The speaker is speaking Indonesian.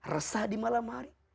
resah di malam hari